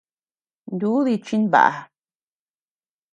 Ndudí chimbaʼa.